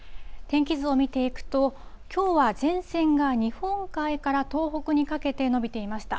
天気図を見ていくと、きょうは前線が日本海から東北にかけて延びていました。